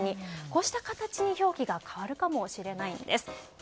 こうした形に表記が変わるかもしれないんです。